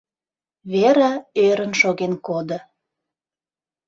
Вера ӧрын шоген кодо.